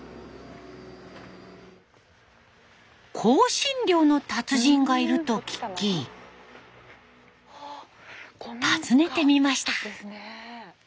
香辛料の達人がいると聞き訪ねてみました。